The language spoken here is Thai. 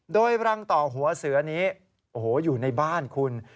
โดยรังต่อหัวเสือนี้โอ้โหอยู่ในบ้านคุณ